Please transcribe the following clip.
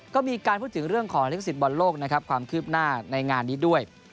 ก็มีการพูดถึงเรื่องของเล็กสิตบอลโลกความคืบหน้าในงานนี้ด้วย